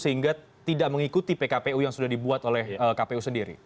sehingga tidak mengikuti pkpu yang sudah dibuat oleh kpu sendiri